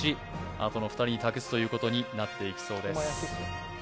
あとの２人に託すということになっていきそうです